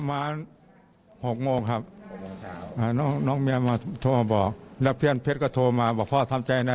หมาครับอ่าน้องน้องเมียมาโทรมาบอกแล้วเพื่อนเพชรก็โทรมาบอกพ่อทำใจนะ